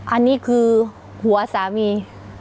อันนี้คือหัวสามี